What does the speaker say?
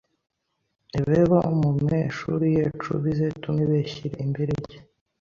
bebo mumeshuri yecu bizetume beshyire imberege